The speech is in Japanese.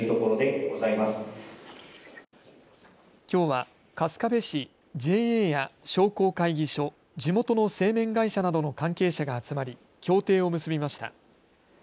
きょうは春日部市、ＪＡや商工会議所、地元の製麺会社などの関係者が集まり協定を結びました。